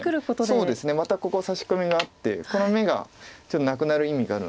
そうですねまたここサシコミがあってこの眼がちょっとなくなる意味があるので。